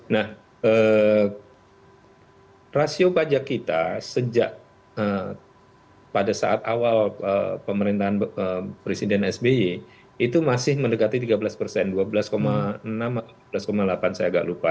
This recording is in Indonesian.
nah rasio pajak kita sejak pada saat awal pemerintahan presiden sby itu masih mendekati tiga belas persen dua belas enam atau sebelas delapan saya agak lupa